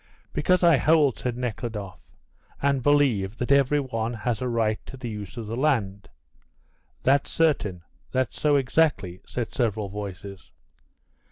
"Because I hold," said Nekhludoff, "and believe that every one has a right to the use of the land." "That's certain. That's so, exactly," said several voices.